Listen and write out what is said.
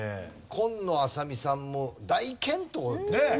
紺野あさ美さんも大健闘ですけどね。